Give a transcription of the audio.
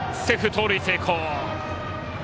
盗塁成功。